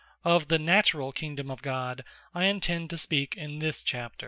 Of the Naturall Kingdome of God I intend to speak in this Chapter.